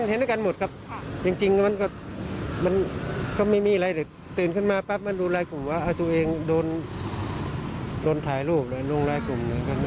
เห็นกันหมดครับจริงมันก็ไม่มีอะไรเดี๋ยวตื่นขึ้นมาปั๊บมันดูลายกลุ่มว่าเอาตัวเองโดนถ่ายรูปเลยลงลายกลุ่ม